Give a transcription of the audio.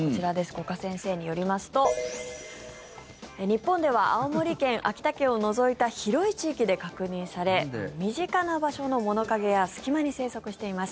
五箇先生によりますと日本では青森県、秋田県を除いた広い地域で確認され身近な場所の物陰や隙間に生息しています。